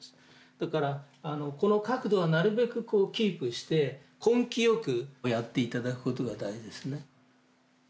だからこの角度はなるべくこうキープして根気よくやって頂くことが大事ですね。